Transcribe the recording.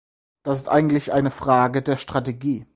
Das ist eigentlich eine Frage der Strategie.